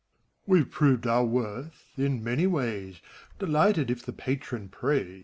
We've proved our worth in many ways, Delighted, if the Patron praise!